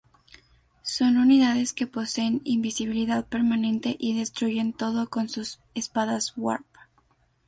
Son unidades que poseen invisibilidad permanente y destruyen todo con sus espadas warp.